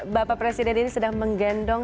bapak presiden ini sedang menggendong